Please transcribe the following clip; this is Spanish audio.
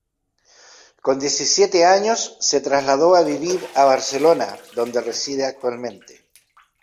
Con diecisiete años se trasladó a vivir a Barcelona, donde reside actualmente.